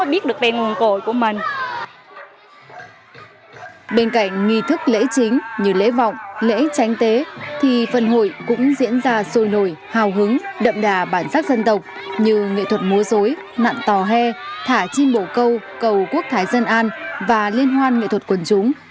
bên cạnh nghi thức lễ chính như lễ vọng lễ tránh tế thì phần hội cũng diễn ra sôi nổi hào hứng đậm đà bản sắc dân tộc như nghệ thuật múa dối nạn tò he thả chim bộ câu cầu quốc thái dân an và liên hoan nghệ thuật quần chúng